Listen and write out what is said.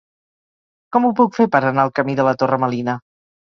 Com ho puc fer per anar al camí de la Torre Melina?